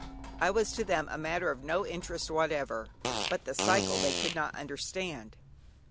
I was to them a matter of no interest whatever, but the cycle they could not understand.